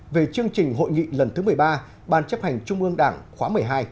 về chương trình hội nghị lần thứ một mươi ba ban chấp hành trung ương đảng khóa một mươi hai